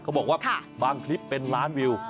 บอกว่าบางคลิปเป็นล้านวิว